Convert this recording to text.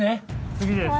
次です。